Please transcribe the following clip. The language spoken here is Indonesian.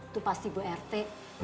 tuh pasti ibu erti